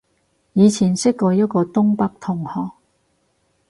以前識過一個東北同學